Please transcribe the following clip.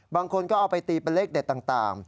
บางคนก็เอาไปตีเป็นเลขเด็ดต่าง